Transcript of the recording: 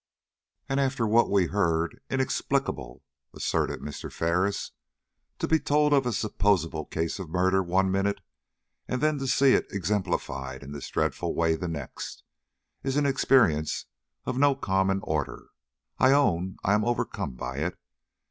"And after what we have heard, inexplicable," asserted Mr. Ferris. "To be told of a supposable case of murder one minute, and then to see it exemplified in this dreadful way the next, is an experience of no common order. I own I am overcome by it."